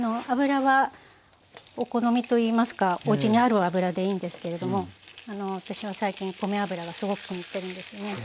油はお好みといいますかおうちにある油でいいんですけれども私は最近米油がすごく気に入ってるんですね。